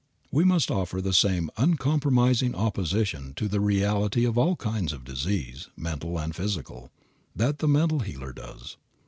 We must offer the same uncompromising opposition to the reality of all kinds of disease, mental and physical, that the mental healer does.